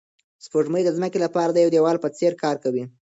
سپوږمۍ د ځمکې لپاره د یو ډال په څېر کار کوي.